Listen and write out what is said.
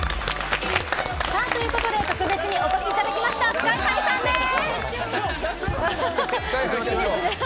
ということで特別にお越しいただきましたＳＫＹ‐ＨＩさんです。